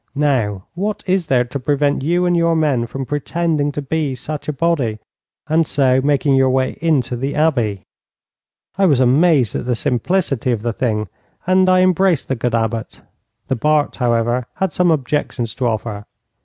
Now, what is there to prevent you and your men from pretending to be such a body, and so making your way into the Abbey?' I was amazed at the simplicity of the thing, and I embraced the good Abbot. The Bart, however, had some objections to offer.